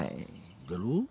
だろ？